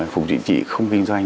phục trị trị không kinh doanh